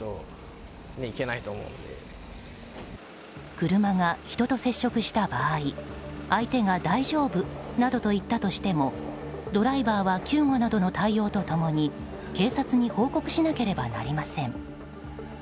車が人と接触した場合、相手が大丈夫などと言ったとしてもドライバーは救護などの対応と共に警察に報告しなければなりません。